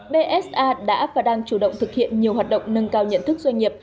bsa đã và đang chủ động thực hiện nhiều hoạt động nâng cao nhận thức doanh nghiệp